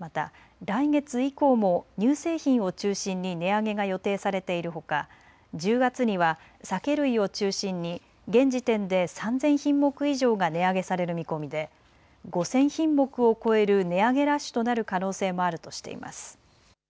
また来月以降も乳製品を中心に値上げが予定されているほか１０月には酒類を中心に現時点で３０００品目以上が値上げされる見込みで５０００品目を超える値上げラッシュとなる可能性もあるとしています。